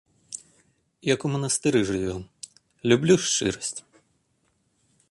Як у манастыры жывём, люблю шчырасць!